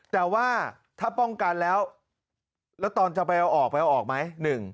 แต่ว่าถ้าป้องกันแล้วแล้วตอนจะไปเอาออกไปเอาออกไหม